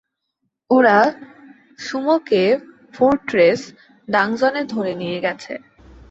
ওরা সুমোকে ফোর্ট্রেস ডাংজনে ধরে নিয়ে গেছে।